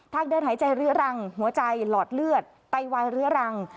เดินหายใจเรื้อรังหัวใจหลอดเลือดไตวายเรื้อรัง